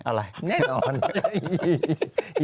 อะไรอะไร